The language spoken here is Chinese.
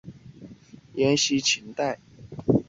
西汉帝王郊祀之礼沿袭秦代。